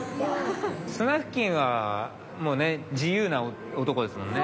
スナフキンはもうね自由な男ですもんね？